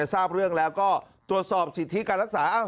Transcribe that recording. ทราบเรื่องแล้วก็ตรวจสอบสิทธิการรักษา